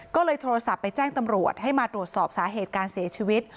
ก็เลยโทรศัพท์ไปแจ้งตำรวจให้มาตรวจสอบสาเหตุการเสียชีวิต